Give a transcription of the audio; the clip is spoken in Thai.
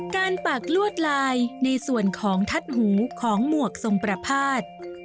การปากลวดลายในส่วนของทัศน์หูของหมวกสมประภาษณ์